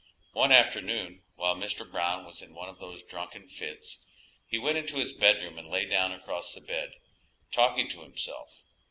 One afternoon, while Mr. Brown was in one of those drunken fits, he went into his bedroom and lay down across the bed, talking to himself.